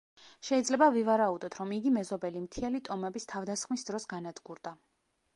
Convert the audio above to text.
შეიძლება ვივარაუდოთ, რომ იგი მეზობელი მთიელი ტომების თავდასხმის დროს განადგურდა.